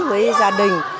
với gia đình